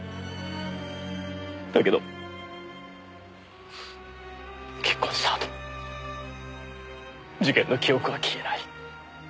だけど結婚したあとも事件の記憶は消えない。